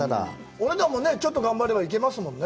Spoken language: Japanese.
俺らもちょっと頑張れば行けますもんね。